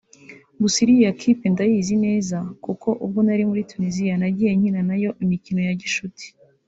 Gusa iriya kipe ndayizi neza kuko ubwo nari muri Tunisia nagiye nkina nayo imikino ya gishuti